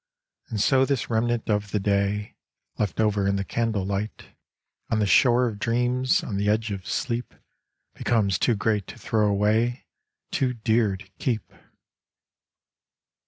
And so this remnant of the day, Left over in the candle light On the shore of dreams, on the edge of sleep, Becomes too great to throw away, Too dear to keep!